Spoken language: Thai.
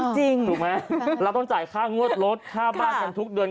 ถูกไหมเราต้องจ่ายค่างวดลดค่าบ้านกันทุกเดือน